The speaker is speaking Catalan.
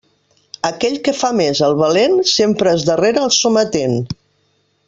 Aquell que fa més el valent, sempre és darrer el sometent.